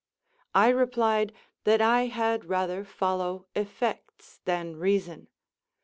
I replied that I had rather follow effects than reason.